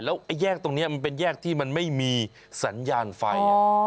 แล้วไอ้แยกตรงนี้มันเป็นแยกที่มันไม่มีสัญญาณไฟ